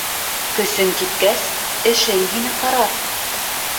Көсөң киткәс, эшең һине ҡарар.